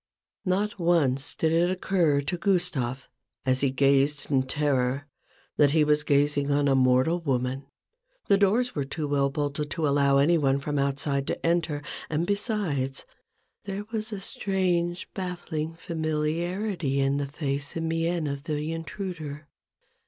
Not once did it occur to Gustave, as he gazed in terror, that he was gazing on a mortal woman : the doors were too well bolted to allow any one from outside to enter, and besides, there was a strange baffling familiarity in the face and mien of the intruder.